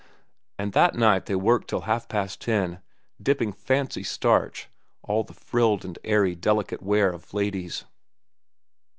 And that night they worked till half past ten, dipping "fancy starch"—all the frilled and airy, delicate wear of ladies.